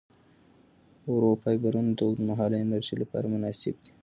ورو فایبرونه د اوږدمهاله انرژۍ لپاره مناسب دي.